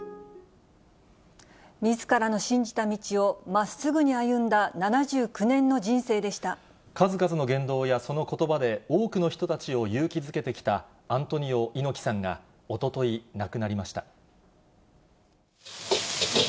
みずからの信じた道をまっす数々の言動やそのことばで、多くの人たちを勇気づけてきたアントニオ猪木さんがおととい、亡くなりました。